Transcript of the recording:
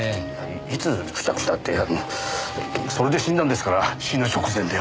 いつ付着したってあのそれで死んだんですから死ぬ直前では？